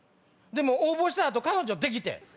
でも応募した後彼女できてん。